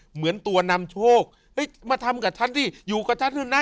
เหมือนตัวนำโชคเฮ้ยมาทำกับฉันสิอยู่กับฉันเถอะนะ